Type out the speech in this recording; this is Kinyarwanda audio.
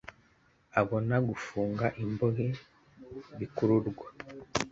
abona gufunga imbohe bikururwa